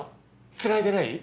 つないでない？